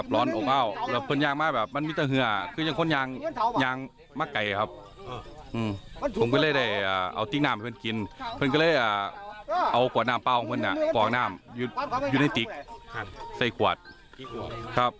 เพราะผู้ชายคนที่เขาบอกนะท่านมาแบบเปียกเหนือชุ่มเลยนะ